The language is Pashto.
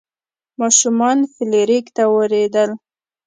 ماشومان فلیریک ته ویرېدل.